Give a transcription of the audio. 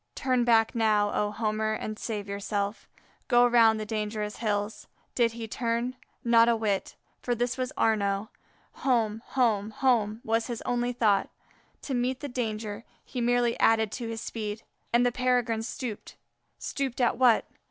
Turn back now, O Homer, and save yourself; go round the dangerous hills. Did he turn? Not a whit! for this was Arnaux. Home! home! home! was his only thought. To meet the danger, he merely added to his speed; and the Peregrine stooped; stooped at what?